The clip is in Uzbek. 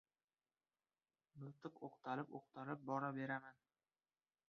Miltiq o‘qtalib-o‘qtalib bora beraman.